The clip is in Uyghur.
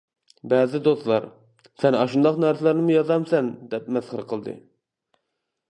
بەزى دوستلار، سەن ئاشۇنداق نەرسىلەرنىمۇ يازامسەن دەپ مەسخىرە قىلدى.